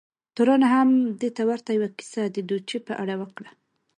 تورن هم دې ته ورته یوه کیسه د ډوچي په اړه وکړه.